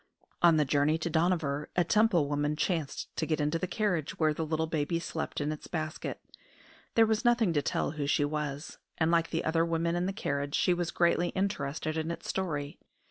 On the journey to Dohnavur a Temple woman chanced to get into the carriage where the little baby slept in its basket. There was nothing to tell who she was; and like the other women in the carriage, she was greatly interested in its story.